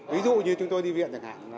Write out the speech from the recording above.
ví dụ như chúng tôi đi viện chẳng hạn